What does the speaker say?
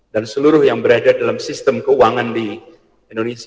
dan seluruh yang berada dalam sistem keuangan di indonesia